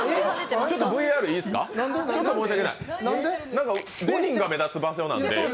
ちょっとＶＡＲいいですか５人が目立つ場所なんで。